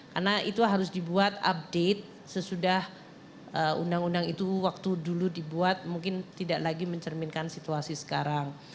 karena itu harus dibuat update sesudah undang undang itu waktu dulu dibuat mungkin tidak lagi mencerminkan situasi sekarang